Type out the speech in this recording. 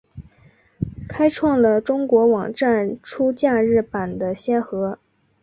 开创了中国网站出假日版的先河。